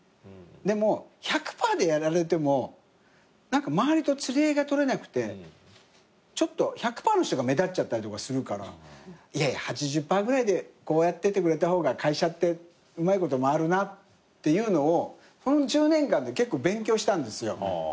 でも１００％でやられても何か周りと釣り合いが取れなくてちょっと１００％の人が目立っちゃったりとかするからいやいや８０％ぐらいでやっててくれた方が会社ってうまいこと回るなっていうのをこの１０年間で結構勉強したんですよ。